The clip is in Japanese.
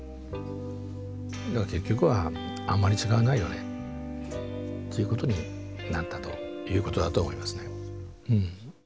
だから結局はあんまり違わないよねっていうことになったということだと思いますね。